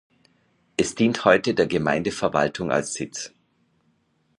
Es dient heute der Gemeindeverwaltung als Sitz.